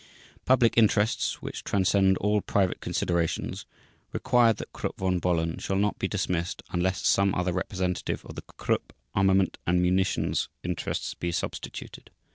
Public interests, which transcend all private considerations, require that Krupp von Bohlen shall not be dismissed unless some other representative of the Krupp armament and munitions interests be substituted.